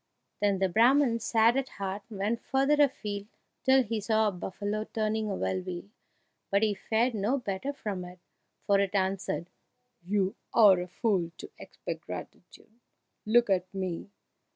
Then the Brahman, sad at heart, went further afield till he saw a buffalo turning a well wheel; but he fared no better from it, for it answered, "You are a fool to expect gratitude! Look at me!